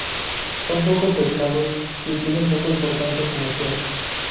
Son poco pescados y tienen poca importancia comercial.